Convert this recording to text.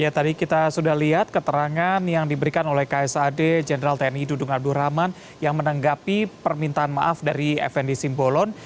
ya tadi kita sudah lihat keterangan yang diberikan oleh ksad jenderal tni dudung abdurrahman yang menanggapi permintaan maaf dari fnd simbolon